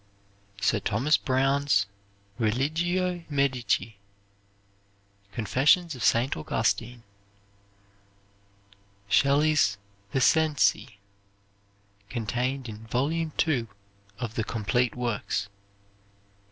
Sir Thomas Browne's "Religio Medici." "Confessions of St. Augustine." Shelley's "The Cenci" (contained in volume two of the complete works).